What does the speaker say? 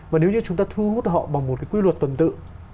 và nếu như chúng ta thu hút họ bằng một cái quy luật tuần tự